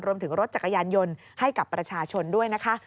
รวมถึงรถจักรยานยนต์ให้กับประชาชนด้วยนะคะ